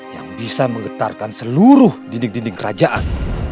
yang bisa menggetarkan seluruh dinding dinding kerajaan